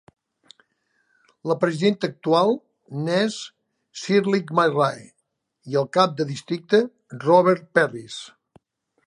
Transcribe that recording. La presidenta actual n'és Shirley McRae i el cap del districte, Robert Perris.